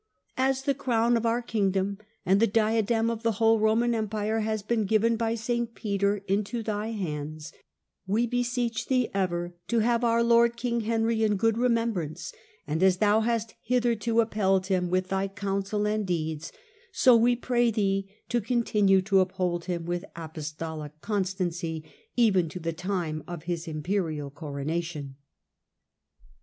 * As the crown of our kingdom and the diadem of the whole Eoman Empire has been given by St. Peter into thy hands, we beseech thee ever to have our lord King Henry in good remembrance ; and as thou hast hitherto upheld him with thy counsel and deeds, so we pray thee to continue to uphold him with apostolic constancy even to the time of his imperial coronation.'